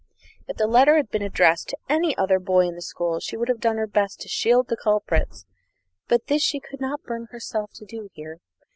If the letter had been addressed to any other boy in the school, she would have done her best to shield the culprits; but this she could not bring herself to do here.